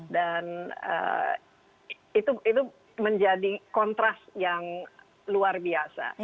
dan itu menjadi kontras yang luar biasa